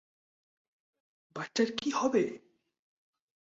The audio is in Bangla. বাচ্চার কি হবে?